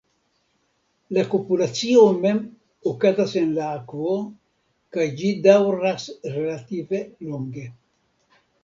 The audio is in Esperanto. La kopulacio mem okazas en la akvo kaj ĝi daŭras relative longe.